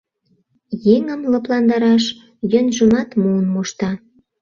Еҥым лыпландараш йӧнжымат муын мошта.